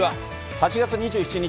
８月２７日